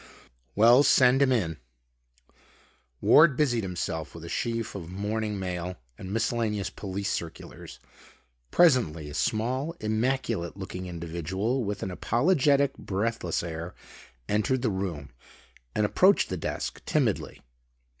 "Well, send him in." Ward busied himself with a sheaf of morning mail and miscellaneous police circulars. Presently a small, immaculate looking individual with an apologetic, breathless air entered the room and approached the desk timidly.